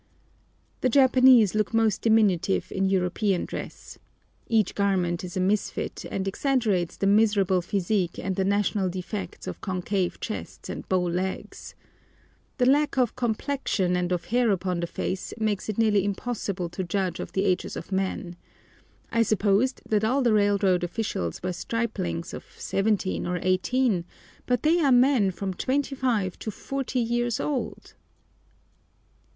The Japanese look most diminutive in European dress. Each garment is a misfit, and exaggerates the miserable physique and the national defects of concave chests and bow legs. The lack of "complexion" and of hair upon the face makes it nearly impossible to judge of the ages of men. I supposed that all the railroad officials were striplings of 17 or 18, but they are men from 25 to 40 years old.